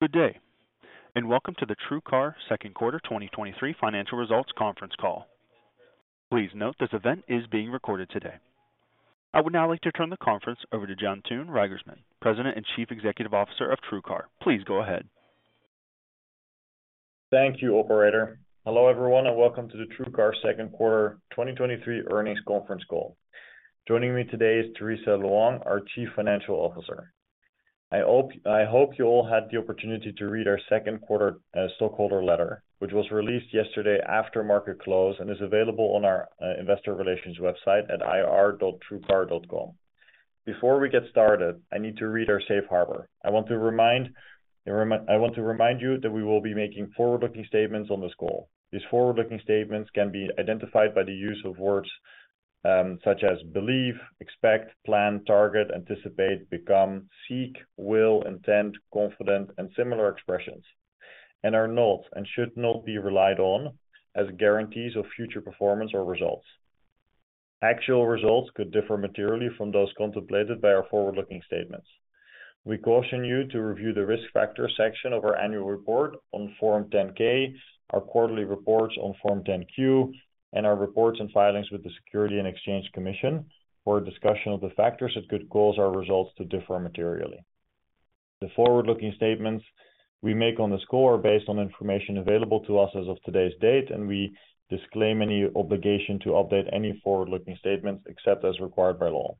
Good day. Welcome to the TrueCar Second Quarter 2023 Financial Results Conference Call. Please note this event is being recorded today. I would now like to turn the conference over to Jantoon Reigersman, President and Chief Executive Officer of TrueCar. Please go ahead. Thank you, operator. Hello, everyone, and welcome to the TrueCar Second Quarter 2023 Earnings Conference Call. Joining me today is Teresa Luong, our Chief Financial Officer. I hope you all had the opportunity to read our second quarter stockholder letter, which was released yesterday after market close and is available on our investor relations website at ir.truecar.com. Before we get started, I need to read our safe harbor. I want to remind you that we will be making forward-looking statements on this call. These forward-looking statements can be identified by the use of words such as believe, expect, plan, target, anticipate, become, seek, will, intent, confident, and similar expressions, and are not and should not be relied on as guarantees of future performance or results. Actual results could differ materially from those contemplated by our forward-looking statements. We caution you to review the Risk Factors section of our Annual Report on Form 10-K, our Quarterly Reports on Form 10-Q, and our Reports and Filings with the Securities and Exchange Commission for a discussion of the factors that could cause our results to differ materially. The forward-looking statements we make on this call are based on information available to us as of today's date, and we disclaim any obligation to update any forward-looking statements except as required by law.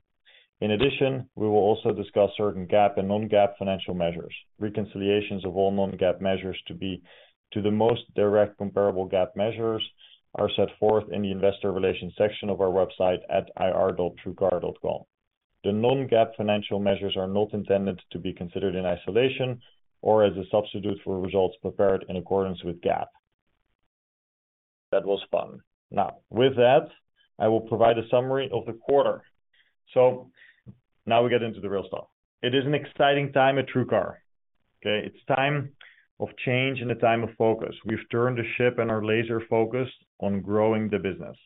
In addition, we will also discuss certain GAAP and non-GAAP financial measures. Reconciliations of all non-GAAP measures to the most direct comparable GAAP measures are set forth in the Investor Relations section of our website at ir.truecar.com. The non-GAAP financial measures are not intended to be considered in isolation or as a substitute for results prepared in accordance with GAAP. That was fun. Now, with that, I will provide a summary of the quarter. Now we get into the real stuff. It is an exciting time at TrueCar, okay? It's time of change and a time of focus. We've turned the ship, and are laser-focused on growing the business.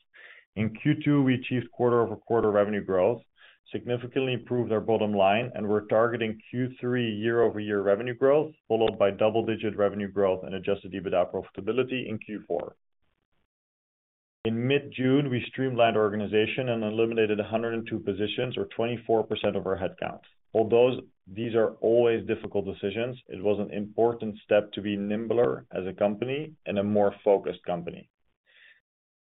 In Q2, we achieved quarter-over-quarter revenue growth, significantly improved our bottom line, and we're targeting Q3 year-over-year revenue growth, followed by double-digit revenue growth and adjusted EBITDA profitability in Q4. In mid-June, we streamlined our organization and eliminated 102 positions, or 24% of our headcount. Although these are always difficult decisions, it was an important step to be nimbler as a company and a more focused company.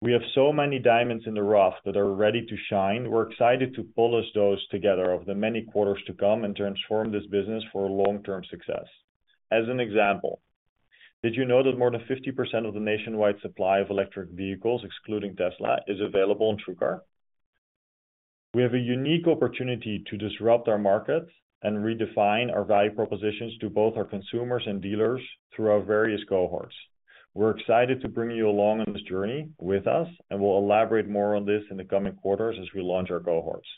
We have so many diamonds in the rough that are ready to shine. We're excited to polish those together over the many quarters to come and transform this business for long-term success. As an example, did you know that more than 50% of the nationwide supply of electric vehicles, excluding Tesla, is available on TrueCar? We have a unique opportunity to disrupt our market and redefine our value propositions to both our consumers and dealers through our various cohorts. We're excited to bring you along on this journey with us, and we'll elaborate more on this in the coming quarters as we launch our cohorts.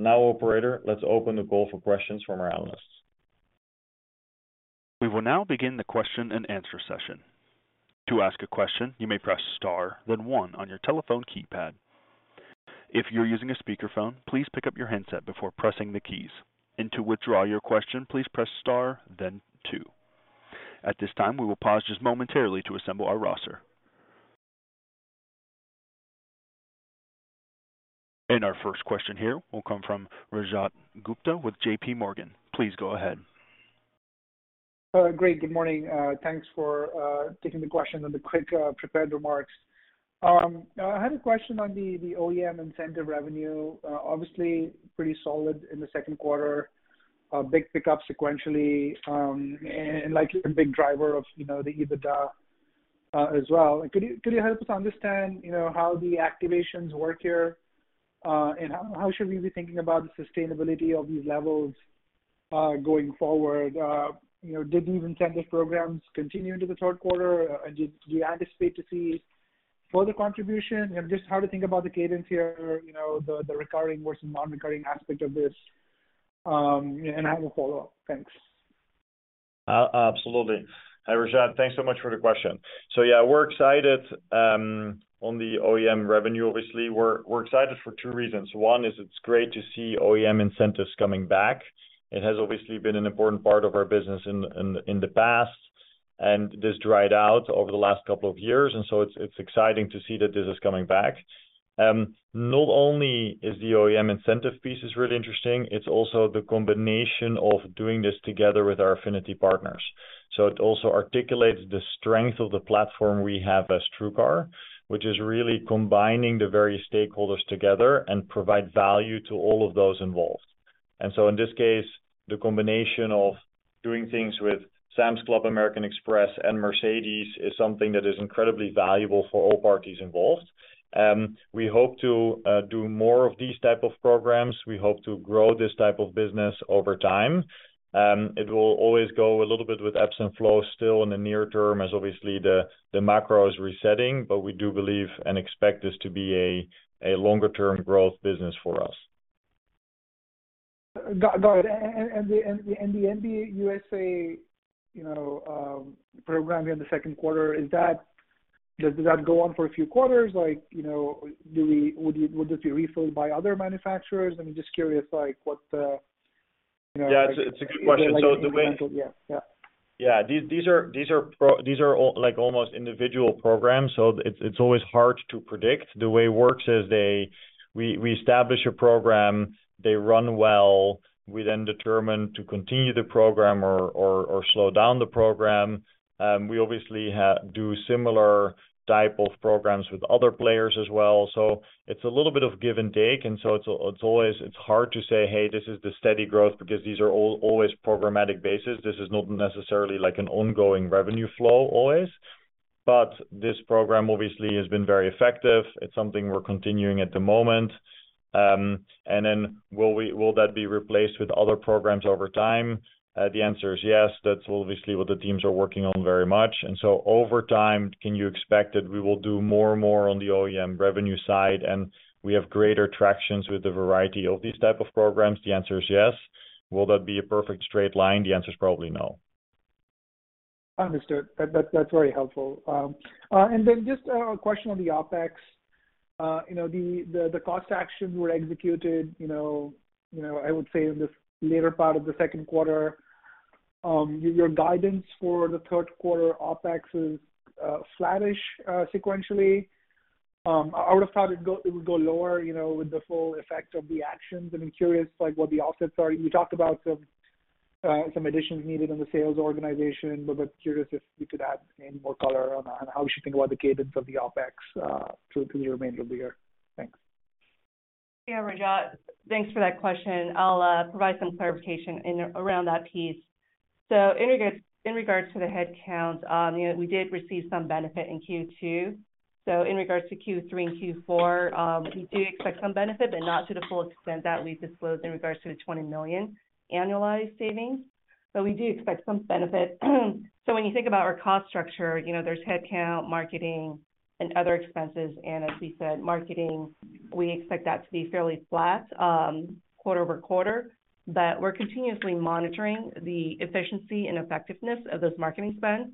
Operator, let's open the call for questions from our analysts. We will now begin the question-and-answer session. To ask a question, you may press star, then one on your telephone keypad. If you're using a speakerphone, please pick up your handset before pressing the keys. To withdraw your question, please press star then two. At this time, we will pause just momentarily to assemble our roster. Our first question here will come from Rajat Gupta with JPMorgan. Please go ahead. Great. Good morning, thanks for taking the question and the quick prepared remarks. I had a question on the OEM incentive revenue. Obviously pretty solid in the second quarter, a big pickup sequentially, and likely a big driver of, you know, the EBITDA as well. Could you, could you help us understand, you know, how the activations work here? And how, how should we be thinking about the sustainability of these levels going forward? You know, did these incentive programs continue into the third quarter, and do you anticipate to see further contribution? And just how to think about the cadence here, you know, the recurring versus non-recurring aspect of this. And I have a follow up. Thanks. Absolutely. Hi, Rajat. Thanks so much for the question. Yeah, we're excited on the OEM revenue. Obviously, we're excited for 2 reasons. One is it's great to see OEM incentives coming back. It has obviously been an important part of our business in, in, in the past, and this dried out over the last couple of years, and so it's, it's exciting to see that this is coming back. Not only is the OEM incentive piece is really interesting, it's also the combination of doing this together with our affinity partners. It also articulates the strength of the platform we have as TrueCar, which is really combining the various stakeholders together and provide value to all of those involved. In this case, the combination of doing things with Sam's Club, American Express, and Mercedes is something that is incredibly valuable for all parties involved. We hope to do more of these type of programs. We hope to grow this type of business over time. It will always go a little bit with ebbs and flows still in the near term, as obviously the, the macro is resetting, but we do believe and expect this to be a, a longer-term growth business for us. Got it. and, and, and the, and the, and the MBUSA, you know, program here in the second quarter, is that... Does that go on for a few quarters? Like, you know, would you, would this be refilled by other manufacturers? I'm just curious, like, what the, you know? Yeah, it's a good question. Yeah. Yeah. Yeah, these, these are, these are all, like, almost individual programs, so it's, it's always hard to predict. The way it works is they, we, we establish a program, they run well, we then determine to continue the program or, or, or slow down the program. We obviously do similar type of programs with other players as well, so it's a little bit of give and take. So it's, it's always, it's hard to say, "Hey, this is the steady growth," because these are all always programmatic basis. This is not necessarily like an ongoing revenue flow always, but this program obviously has been very effective. It's something we're continuing at the moment. And then will that be replaced with other programs over time? The answer is yes. That's obviously what the teams are working on very much. Over time, can you expect that we will do more and more on the OEM revenue side, and we have greater tractions with the variety of these type of programs? The answer is yes. Will that be a perfect straight line? The answer is probably no. that's very helpful. And then just a question on the OpEx. You know, the cost actions were executed, you know, I would say in the later part of the second quarter. Your guidance for the third quarter OpEx is flattish sequentially. I would have thought it would go lower, you know, with the full effect of the actions. I'm curious, like, what the offsets are. You talked about some additions needed in the sales organization, but curious if you could add any more color on how we should think about the cadence of the OpEx through the remainder of the year. Thanks. Yeah, Rajat, thanks for that question. I'll provide some clarification in, around that piece. In regards, in regards to the headcount, you know, we did receive some benefit in Q2. In regards to Q3 and Q4, we do expect some benefit, but not to the full extent that we disclosed in regards to the $20 million annualized savings. We do expect some benefit. When you think about our cost structure, you know, there's headcount, marketing, and other expenses, and as we said, marketing, we expect that to be fairly flat, quarter-over-quarter. We're continuously monitoring the efficiency and effectiveness of those marketing spends,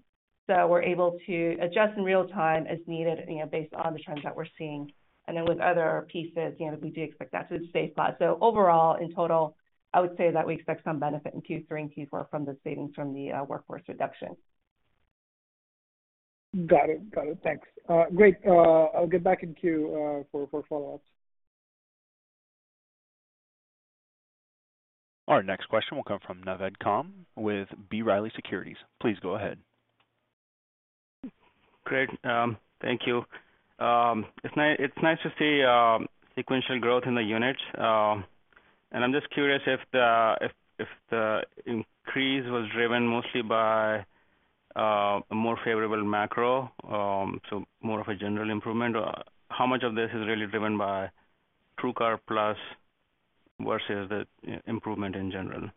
so we're able to adjust in real time as needed, you know, based on the trends that we're seeing. With other pieces, you know, we do expect that to stay flat. Overall, in total, I would say that we expect some benefit in Q3 and Q4 from the savings from the workforce reduction. Got it. Got it. Thanks. Great. I'll get back in queue for follow ups. Our next question will come from Naved Khan with B. Riley Securities. Please go ahead. Great. Thank you. It's nice to see, sequential growth in the units. I'm just curious if the, if, if the increase was driven mostly by, a more favorable macro, so more of a general improvement, or how much of this is really driven by TrueCar+ versus the, improvement in general?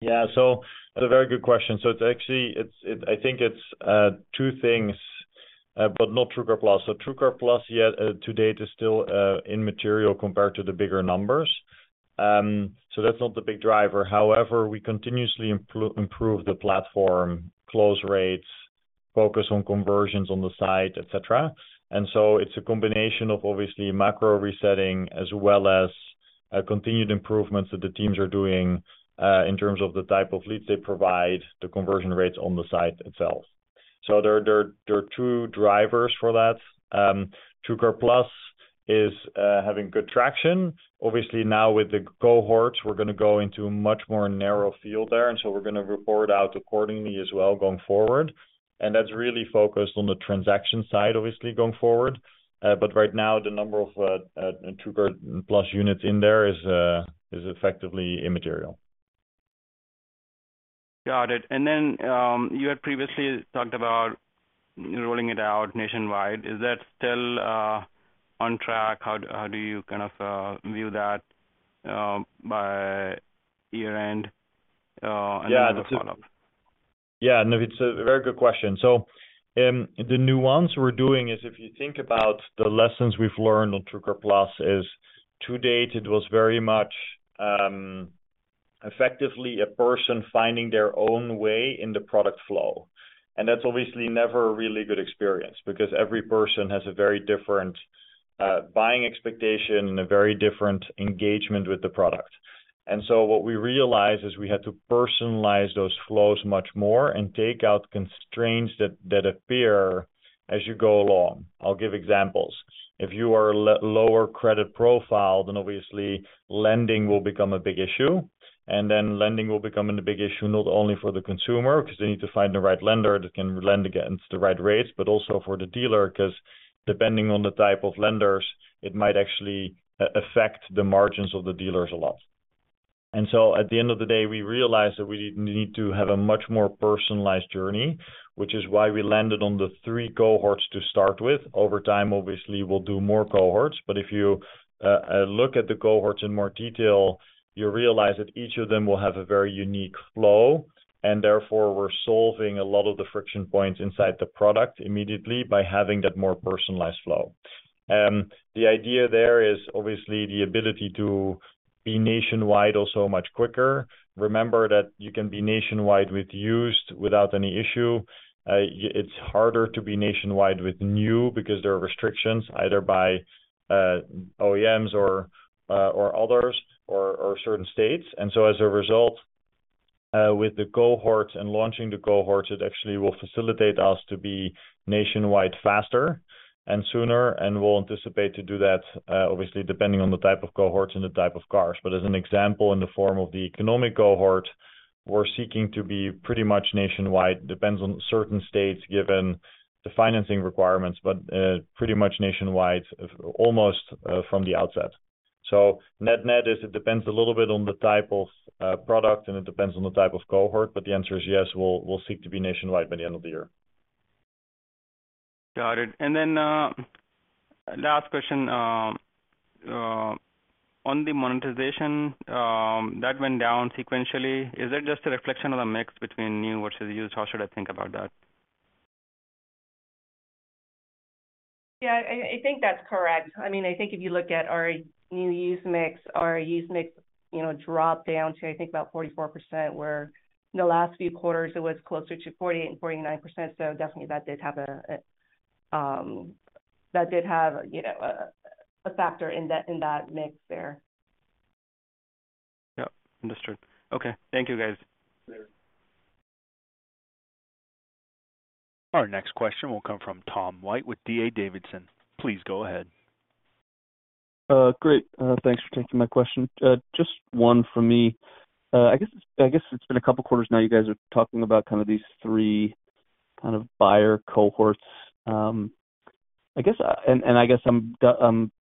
Yeah. That's a very good question. It's actually, it's, it, I think it's 2 things, but not TrueCar+. TrueCar+ yet, to date, is still immaterial compared to the bigger numbers. That's not the big driver. However, we continuously improve the platform, close rates, focus on conversions on the site, et cetera. It's a combination of obviously macro resetting as well as continued improvements that the teams are doing in terms of the type of leads they provide, the conversion rates on the site itself. There, there, there are two drivers for that. TrueCar+ is having good traction. Obviously, now with the cohorts, we're gonna go into a much more narrow field there, and so we're gonna report out accordingly as well going forward. That's really focused on the transaction side, obviously, going forward. Right now, the number of TrueCar+ units in there is effectively immaterial. Got it. Then, you had previously talked about rolling it out nationwide. Is that still on track? How, how do you kind of, view that, by year-end? Yeah. Then the follow up. Yeah, Naved, it's a very good question. The nuance we're doing is if you think about the lessons we've learned on TrueCar+ is to date it was very much effectively a person finding their own way in the product flow. That's obviously never a really good experience because every person has a very different buying expectation and a very different engagement with the product. What we realized is we had to personalize those flows much more and take out constraints that, that appear as you go along. I'll give examples. If you are a lower credit profile, then obviously lending will become a big issue, and then lending will become a big issue, not only for the consumer, because they need to find the right lender that can lend against the right rates, but also for the dealer, because depending on the type of lenders, it might actually affect the margins of the dealers a lot. At the end of the day, we realized that we need to have a much more personalized journey, which is why we landed on the three cohorts to start with. Over time, obviously, we'll do more cohorts. If you look at the cohorts in more detail, you realize that each of them will have a very unique flow, and therefore, we're solving a lot of the friction points inside the product immediately by having that more personalized flow. The idea there is obviously the ability to be nationwide also much quicker. Remember that you can be nationwide with used without any issue. It's harder to be nationwide with new because there are restrictions either by OEMs or others or certain states. As a result, with the cohorts and launching the cohorts, it actually will facilitate us to be nationwide faster and sooner, and we'll anticipate to do that, obviously, depending on the type of cohorts and the type of cars. As an example, in the form of the economic cohort, we're seeking to be pretty much nationwide. Depends on certain states, given the financing requirements, but pretty much nationwide, almost from the outset. Net-net is it depends a little bit on the type of product, and it depends on the type of cohort, but the answer is yes, we'll, we'll seek to be nationwide by the end of the year. Got it. Then, last question. On the monetization, that went down sequentially, is that just a reflection of the mix between new versus used? How should I think about that? Yeah, I, I think that's correct. I mean, I think if you look at our new used mix, our used mix, you know, dropped down to, I think, about 44%, where in the last few quarters, it was closer to 48% and 49%. Definitely that did have, you know, a factor in that mix there. Yep. Understood. Okay. Thank you, guys. Sure. Our next question will come from Tom White with D.A. Davidson. Please go ahead. Great. Thanks for taking my question. Just one from me. I guess, I guess it's been a couple quarters now, you guys are talking about kind of these three kind of buyer cohorts. I guess, and, and I guess I'm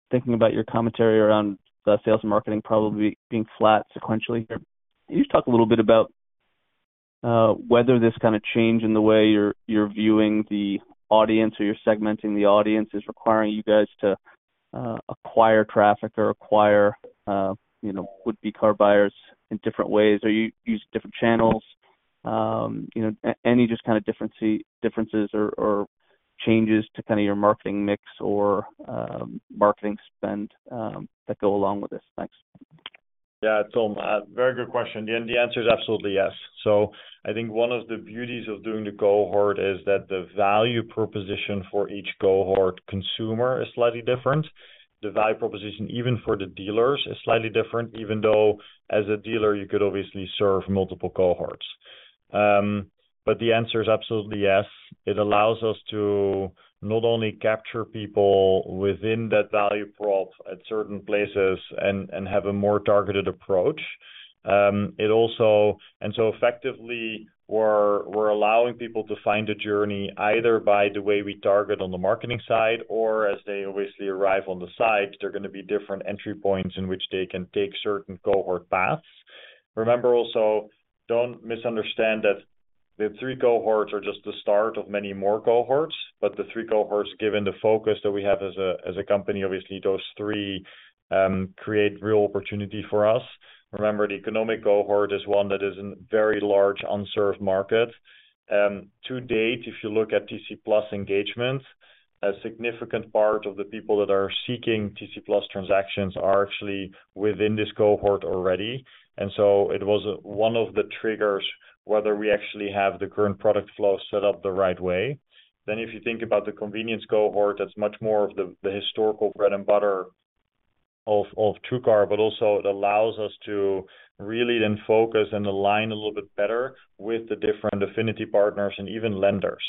thinking about your commentary around the sales and marketing probably being flat sequentially here. Can you just talk a little bit about whether this kinda change in the way you're, you're viewing the audience or you're segmenting the audience is requiring you guys to acquire traffic or acquire, you know, would be car buyers in different ways, or you use different channels? You know, any just kind of differences or, or changes to kind of your marketing mix or marketing spend that go along with this? Thanks. Yeah, Tom, very good question. The answer is absolutely yes. I think one of the beauties of doing the cohort is that the value proposition for each cohort consumer is slightly different. The value proposition, even for the dealers, is slightly different, even though as a dealer, you could obviously serve multiple cohorts. The answer is absolutely yes. It allows us to not only capture people within that value prop at certain places and have a more targeted approach, it also. Effectively, we're, we're allowing people to find a journey, either by the way we target on the marketing side or as they obviously arrive on the site, there are gonna be different entry points in which they can take certain cohort paths. Remember, also, don't misunderstand that the three cohorts are just the start of many more cohorts, but the three cohorts, given the focus that we have as a company, obviously those three create real opportunity for us. Remember, the economic cohort is one that is in a very large, unserved market. To date, if you look at TrueCar+ engagements, a significant part of the people that are seeking TrueCar+ transactions are actually within this cohort already. So it was one of the triggers whether we actually have the current product flow set up the right way. If you think about the convenience cohort, that's much more of the historical bread and butter of TrueCar, but also it allows us to really then focus and align a little bit better with the different affinity partners and even lenders.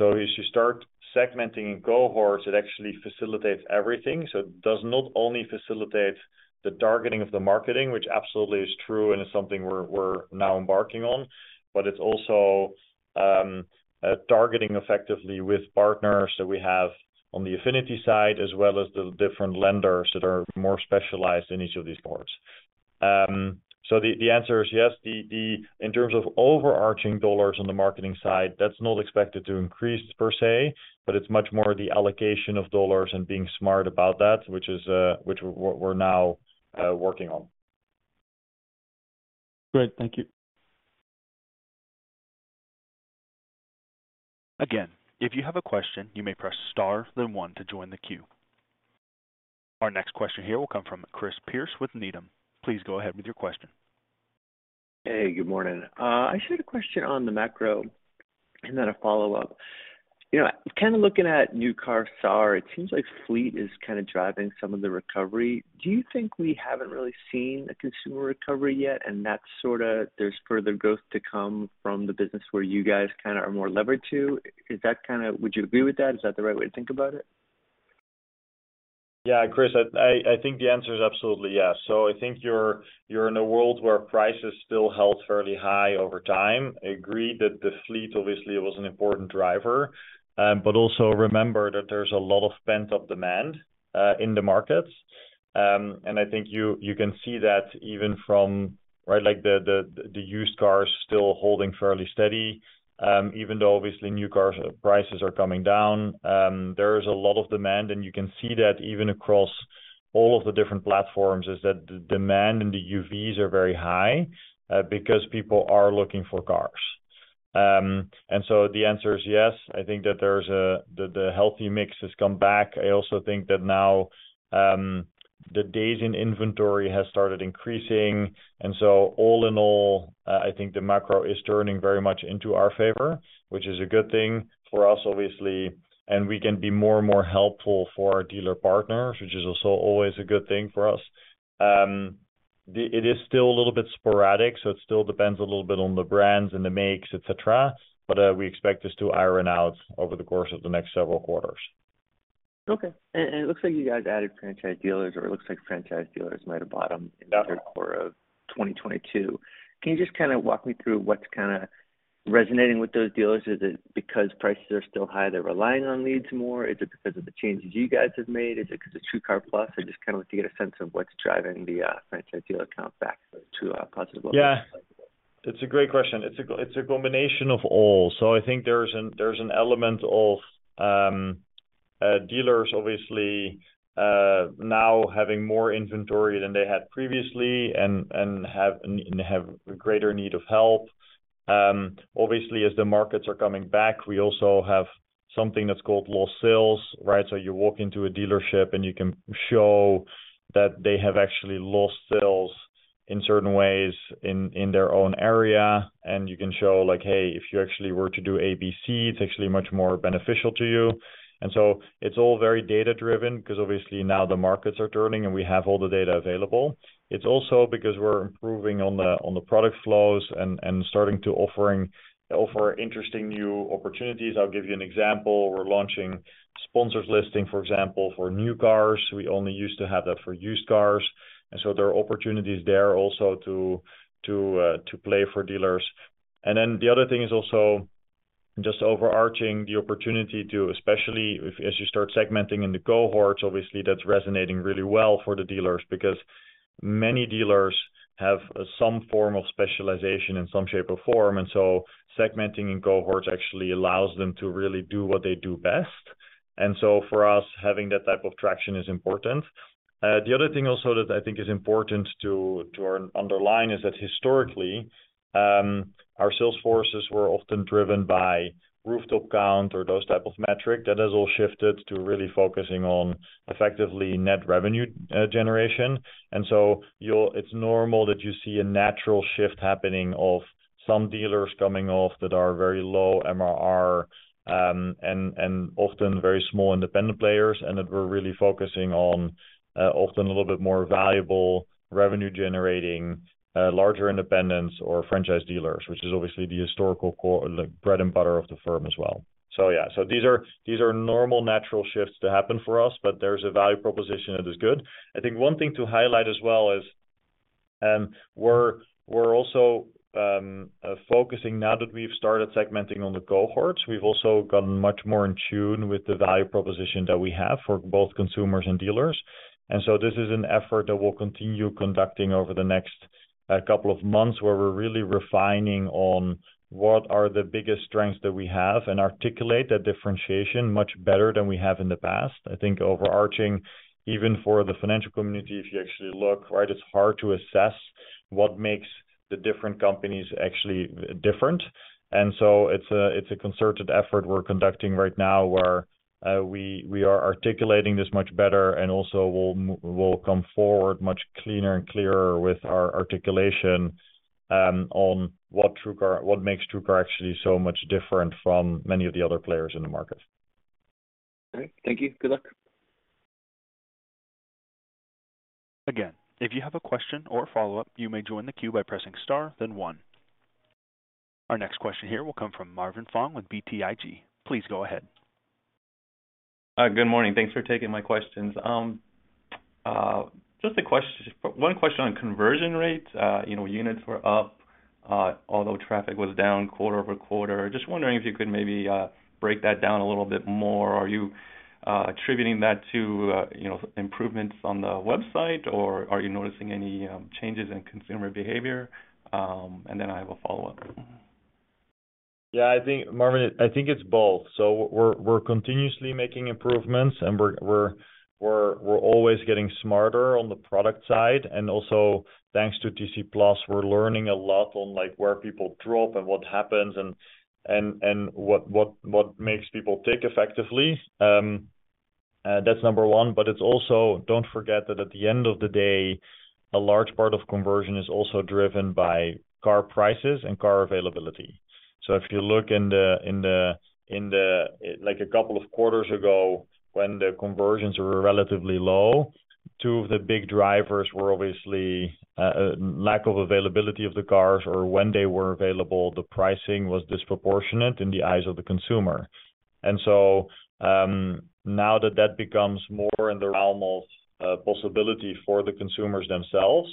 As you start segmenting in cohorts, it actually facilitates everything. It does not only facilitate the targeting of the marketing, which absolutely is true, and it's something we're now embarking on, but it's also targeting effectively with partners that we have on the affinity side, as well as the different lenders that are more specialized in each of these cohorts. So the answer is yes, the in terms of overarching dollars on the marketing side, that's not expected to increase per se, but it's much more the allocation of dollars and being smart about that, which is which we're now working on. Great. Thank you. Again, if you have a question, you may press star, then one to join the queue. Our next question here will come from Chris Pierce with Needham. Please go ahead with your question. Hey, good morning. I just had a question on the macro and then a follow up. You know, kind of looking at new car SAR, it seems like fleet is kind of driving some of the recovery. Do you think we haven't really seen a consumer recovery yet, and that's sort of there's further growth to come from the business where you guys kind of are more levered to? Is that kind of, would you agree with that? Is that the right way to think about it? Yeah, Chris, I, I think the answer is absolutely yes. I think you're, you're in a world where prices still held fairly high over time. Agreed that the fleet obviously was an important driver, but also remember that there's a lot of pent up demand in the markets. I think you, you can see that even from, right, like, the, the, the used cars still holding fairly steady, even though obviously new car prices are coming down. There is a lot of demand, and you can see that even across all of the different platforms, is that the demand in the UVs are very high, because people are looking for cars. The answer is yes. I think that there's a, the, the healthy mix has come back. I also think that now, the days in inventory has started increasing, and so all in all, I think the macro is turning very much into our favor, which is a good thing for us, obviously, and we can be more and more helpful for our dealer partners, which is also always a good thing for us. It is still a little bit sporadic, so it still depends a little bit on the brands and the makes, et cetera, but we expect this to iron out over the course of the next several quarters. Okay. It looks like you guys added franchise dealers, or it looks like franchise dealers might have bottomed- Yeah in the third quarter of 2022. Can you just kind of walk me through what's kinda resonating with those dealers? Is it because prices are still high, they're relying on leads more? Is it because of the changes you guys have made? Is it because of TrueCar+? I just kind of want to get a sense of what's driving the franchise dealer count back to positive levels. Yeah, it's a great question. It's a combination of all. I think there's an, there's an element of dealers obviously now having more inventory than they had previously and, and have, and have a greater need of help. Obviously, as the markets are coming back, we also have something that's called lost sales, right? So you walk into a dealership, and you can show that they have actually lost sales in certain ways in, in their own area, and you can show like, "Hey, if you actually were to do ABC, it's actually much more beneficial to you." It's all very data-driven because obviously now the markets are turning, and we have all the data available. It's also because we're improving on the, on the product flows and, and starting to offer interesting new opportunities. I'll give you an example: we're launching Sponsored Listings, for example, for new cars. We only used to have that for used cars, and so there are opportunities there also to, to, to play for dealers. Then the other thing is also just overarching the opportunity to, especially if as you start segmenting in the cohorts, obviously that's resonating really well for the dealers because many dealers have some form of specialization in some shape or form, and so segmenting in cohorts actually allows them to really do what they do best. So for us, having that type of traction is important. The other thing also that I think is important to, to underline is that historically, our sales forces were often driven by rooftop count or those type of metric. That has all shifted to really focusing on effectively net revenue, generation. It's normal that you see a natural shift happening of some dealers coming off that are very low MRR, and often very small independent players, and that we're really focusing on often a little bit more valuable revenue generating larger independents or franchise dealers, which is obviously the historical core, the bread and butter of the firm as well. These are, these are normal, natural shifts to happen for us, but there's a value proposition that is good. I think one thing to highlight as well is, we're also focusing, now that we've started segmenting on the cohorts, we've also gotten much more in tune with the value proposition that we have for both consumers and dealers. This is an effort that we'll continue conducting over the next couple of months, where we're really refining on what are the biggest strengths that we have and articulate that differentiation much better than we have in the past. I think overarching, even for the financial community, if you actually look, right, it's hard to assess what makes the different companies actually different. It's a, it's a concerted effort we're conducting right now, where we, we are articulating this much better and also we'll we'll come forward much cleaner and clearer with our articulation on what TrueCar-- what makes TrueCar actually so much different from many of the other players in the market. Great. Thank you. Good luck. Again, if you have a question or a follow up, you may join the queue by pressing star, then one. Our next question here will come from Marvin Fong with BTIG. Please go ahead. Good morning. Thanks for taking my questions. Just a question, one question on conversion rates. You know, units were up, although traffic was down quarter-over-quarter. Just wondering if you could maybe break that down a little bit more. Are you attributing that to, you know, improvements on the website, or are you noticing any changes in consumer behavior? Then I have a follow up. Yeah, I think, Marvin, I think it's both. We're, we're continuously making improvements, and we're, we're, we're, we're always getting smarter on the product side, and also, thanks to TrueCar+, we're learning a lot on, like, where people drop and what happens and, and, and what, what, what makes people tick effectively. That's number one, it's also, don't forget that at the end of the day, a large part of conversion is also driven by car prices and car availability. If you look in the, in the, in the, like a couple of quarters ago, when the conversions were relatively low, two of the big drivers were obviously lack of availability of the cars, or when they were available, the pricing was disproportionate in the eyes of the consumer. Now that that becomes more in the realm of possibility for the consumers themselves,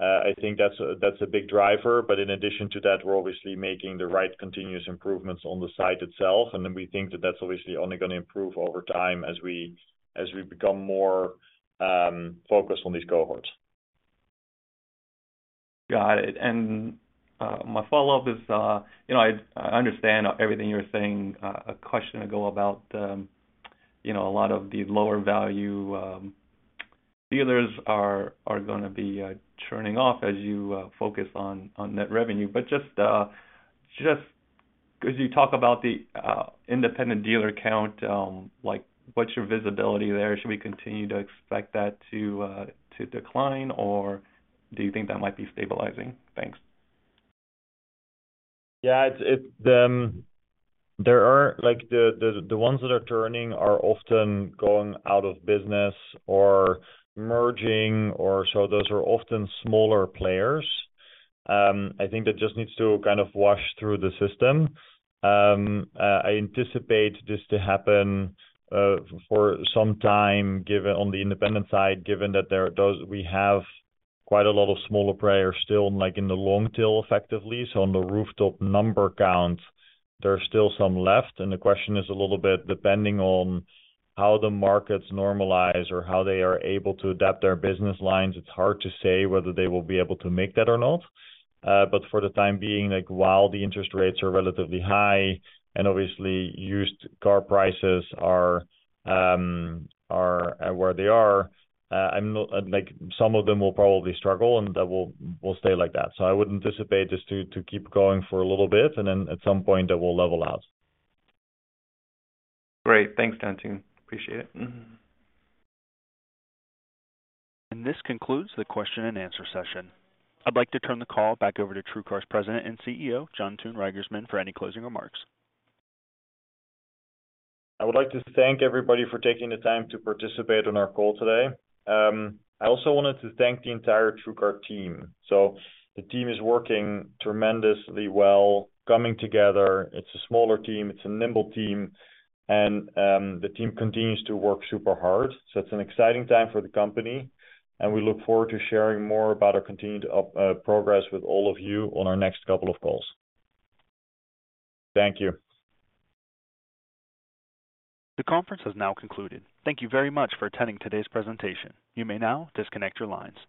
I think that's a, that's a big driver. In addition to that, we're obviously making the right continuous improvements on the site itself, we think that that's obviously only going to improve over time as we, as we become more focused on these cohorts. Got it. My follow up is, you know, I, I understand everything you're saying, a question ago about, you know, a lot of the lower value dealers are, are gonna be churning off as you focus on, on net revenue. Just, just could you talk about the independent dealer count? Like, what's your visibility there? Should we continue to expect that to decline, or do you think that might be stabilizing? Thanks. Yeah, it, it, there are, like, the, the, the ones that are turning are often going out of business or merging or. So those are often smaller players. I think that just needs to kind of wash through the system. I anticipate this to happen, for some time, given on the independent side, given that there are those, we have quite a lot of smaller players still, like, in the long tail, effectively. On the rooftop number count, there are still some left, and the question is a little bit depending on how the markets normalize or how they are able to adapt their business lines. It's hard to say whether they will be able to make that or not. For the time being, like, while the interest rates are relatively high and obviously used car prices are, are at where they are, like, some of them will probably struggle, and that will, will stay like that. I would anticipate this to, to keep going for a little bit, and then at some point that will level out. Great. Thanks, Toon. Appreciate it. Mm-hmm. This concludes the question and answer session. I'd like to turn the call back over to TrueCar's President and CEO, Jantoon Reigersman, for any closing remarks. I would like to thank everybody for taking the time to participate on our call today. I also wanted to thank the entire TrueCar team. The team is working tremendously well, coming together. It's a smaller team, it's a nimble team, and the team continues to work super hard. It's an exciting time for the company, and we look forward to sharing more about our continued progress with all of you on our next couple of calls. Thank you. The conference has now concluded. Thank you very much for attending today's presentation. You may now disconnect your lines.